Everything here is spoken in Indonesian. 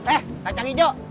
eh kacang hijau